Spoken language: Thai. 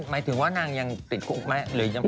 หมายถึงว่านางยังติดคุกไหม